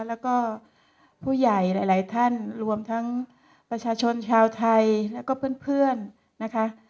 แล้วก็ผู้ใหญ่หลายท่านรวมทั้งประชาชนชาวไทยแล้วก็เพื่อนนะคะ